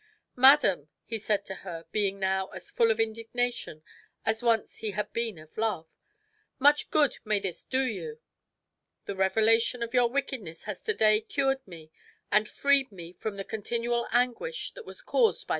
"Madam," he said to her, being now as full of indignation as once he had been of love, "much good may this do you! (3) The revelation of your wickedness has to day cured me, and freed me from the continual anguish that was caused by the virtue I believed to be in you."